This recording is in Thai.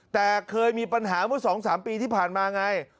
แต่เคยมีปัญหาเมื่อ๒๓ปีที่ผ่านมาไง